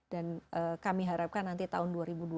dan kami harapkan nanti tahun dua ribu tiga puluh